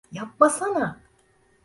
Yapmasana!